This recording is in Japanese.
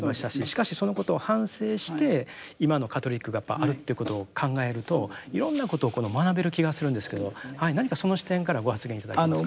しかしそのことを反省して今のカトリックがあるってことを考えるといろんなことを学べる気がするんですけど何かその視点からご発言頂けますか。